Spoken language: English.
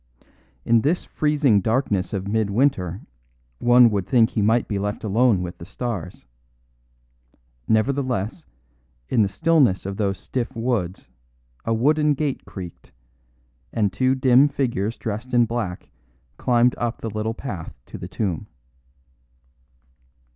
In this freezing darkness of mid winter one would think he might be left alone with the stars. Nevertheless, in the stillness of those stiff woods a wooden gate creaked, and two dim figures dressed in black climbed up the little path to the tomb.